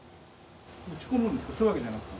打ち込むんですか？